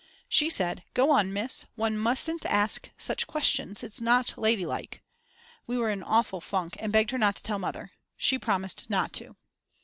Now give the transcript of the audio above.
She said: Go on, Miss! One mustn't ask such questions it's not ladylike. We were in an awful funk, and begged her not to tell Mother. She promised not to.